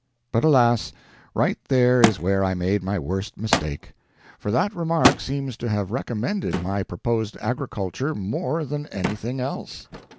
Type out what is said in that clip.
But alas! right there is where I made my worst mistake for that remark seems to have recommended my proposed Agriculture more than anything else.